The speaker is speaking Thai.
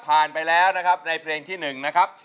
ไปแล้วนะครับในเพลงที่๑นะครับ